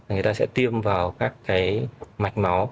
người ta sẽ tiêm vào các mạch máu